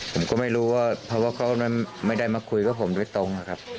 ผมก็ไม่รู้ว่าเพราะว่าเขาไม่ได้มาคุยกับผมโดยตรงนะครับ